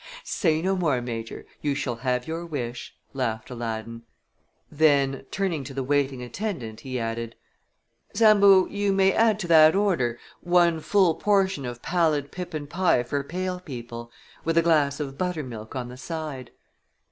"Say no more, Major; you shall have your wish," laughed Aladdin. Then, turning to the waiting attendant, he added, "Sambo, you may add to that order one full portion of pallid pippin pie for pale people, with a glass of buttermilk on the side."